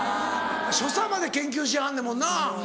所作まで研究しはんねんもんな。